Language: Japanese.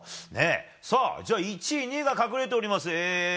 じゃあ１位、２位が隠れております。